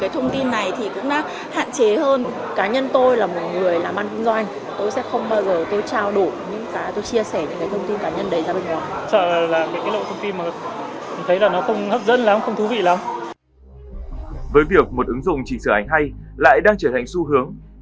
tôi cũng biết được cái thông tin này thì cũng đã hạn chế hơn